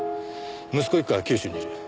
息子一家は九州にいる。